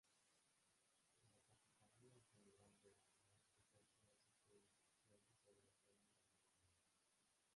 La Capitanía General de Granada ejercía su jurisdicción sobre el reino de Granada.